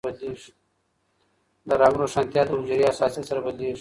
د رنګ روښانتیا د حجرې حساسیت سره بدلېږي.